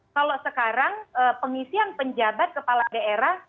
kalau sekarang pengisian penjabat kepala daerah